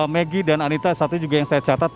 megi dan anita satu juga yang saya catat